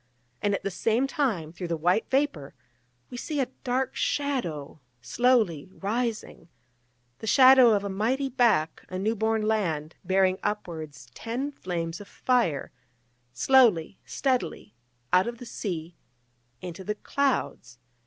and at the same time, through the white vapour, we see a dark shadow slowly rising the shadow of a mighty back, a new born land, bearing upwards ten flames of fire, slowly, steadily, out of the sea, into the clouds.